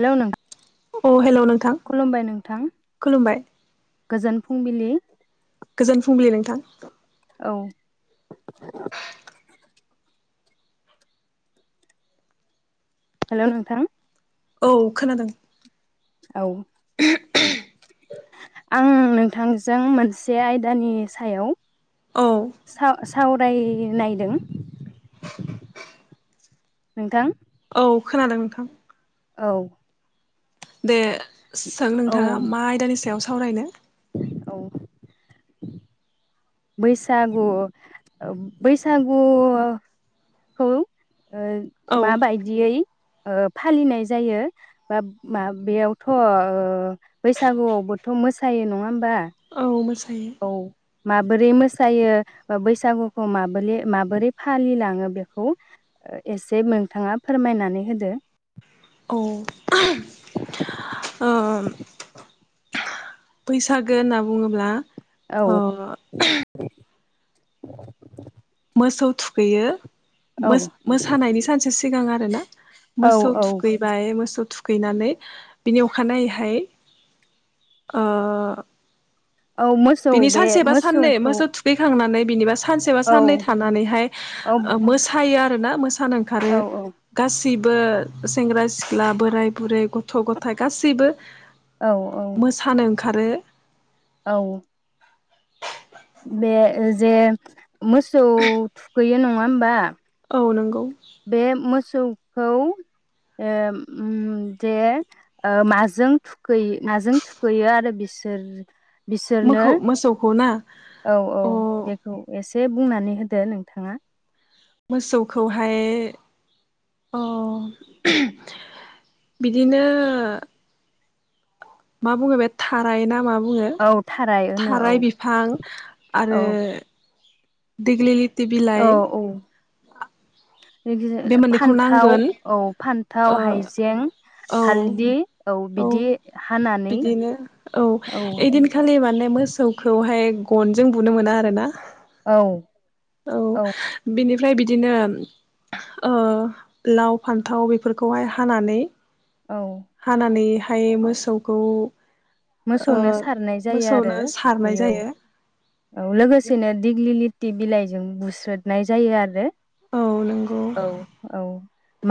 Hello नों औ hello नोंथां खुलुमबाय नोंथां खुलुमबाय गोजोन फुंबिलि गोजोन फुंबिलि नों थां। औ हेलौ नोंथां‌। औ खोनादों। औ आं नोंथांजों मोनसे आयदानि सायाव औ साव सावरायनायदों नोंथां औ खोनादों नोंथां औ दे सों औ नोंथाङा मा आयदानि सायाव सावरायनो। औ बैसागु बैसागुखौ ओ औ माबायदियै ओ बा फालिनाय जायो बा म [unintelligible] बेयावथ' बैसागुआवबोथ' मोसायो नङा होमबा औ मो औ माबोरै मोसा मोसायो ओ बैसागुखौ माबोलै माबोरै फालिलाङो बेखौ एसे नोंथाङा फोरमायनानै होदो। औ ओ बैसागो होनना बुङोब्ला ओ औ [inaudible] मोसौ थुखैयो। औ मोसानायनि सानसे सिगां आरोना औ मोसौ औ थुखैबाय मोसौ थुखैनानै बिनि अखानायैहाय औ मोसौ बिनि बे सानसे बा साननै मोसौखौ मोसौ थुखैखांनानै बिनिबा सानसेबा औ साननै थानानैहाय औ ओ मोसायो ना मो सान ओंखारो औ गासै बो सेंग्रा सिख्ला बोराय बुरै गथ' गथाइ गासैबो औ औ खारो औ बे जे मोसौ थुखैयो नङा होमबा औ नंगौ बे मोसौखौ ओ ओम जे माजों थुखैयो माजों थुखैयो आरो बिसोर बिसोरनो मोखौ मोसौखौ ना औ औ अ बेखौ एसे बुंनानै होदो नोंथाङा मोसौखौहाय अ बिदिनो मा बुङो बे थाराय ना माब बुङो औ थाराय होनो औ थाराय बिफां आरो औ दिगलि औ औ बे मोननैखौ फान्थाव नांगोन औ फान्थाव ओ हाइजें औ हालदि औ बिदि हानानै बिदिनो औ ओइदिनखालि माने मोसौखौहाय। गनजों बुनो मोना आरो ना। औ औ बिनि फ्राय बिदिनो ओ लाव फान्थाव बेफोरखौहाय हानानै औ हानानै ओमफाय मोसौखौ ओ मोसौनो सारनाय जायो आरो मोसौनो सारनाय थुखैयो जायो। औ औ लोगोसेनो दिग लि लिथि बिलाइजों बुस्रोदनाय जायो आरो। औ नंगौ औ औ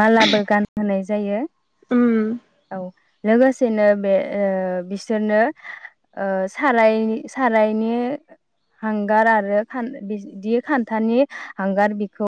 मालाबो गानहोनाय जायो। जायो। उम लोगोसेनो बे ओ बिसोरनो ओ सारायनि सारायनि हांगार आरो बिदि खान्थानि हांगार बिखौ